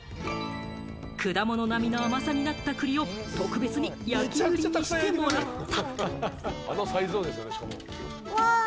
果物並みの甘さになった栗を特別に焼き栗にしてもらった。